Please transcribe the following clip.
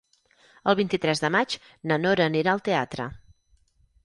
El vint-i-tres de maig na Nora anirà al teatre.